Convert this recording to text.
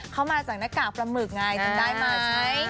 เขามาจากหน้ากากปลาหมึกไงถึงได้มาใช่ไหม